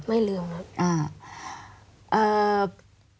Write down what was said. ไม่ลืมครับ